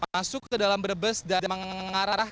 masuk ke dalam brebes dan mengarah